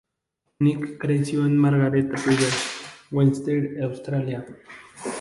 Nic creció en Margaret River, Western Australia.